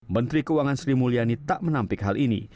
menteri keuangan sri mulyani tak menampik hal ini